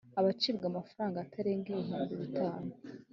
Agacibwa amafaranga atarenga ibihumbi bitanu